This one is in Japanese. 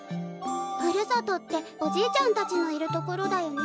ふるさとっておじいちゃんたちのいる所だよね？